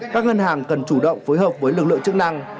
các ngân hàng cần chủ động phối hợp với lực lượng chức năng